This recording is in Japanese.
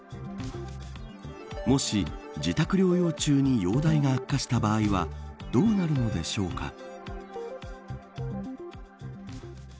もし、自宅療養中に容体が悪化した場合はどうなるのでしょうか。